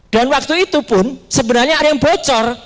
waktu itu pun sebenarnya ada yang bocor